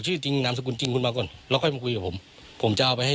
ชื่อจริงนามสกุลจริงคุณมาก่อนแล้วค่อยมาคุยกับผมผมจะเอาไปให้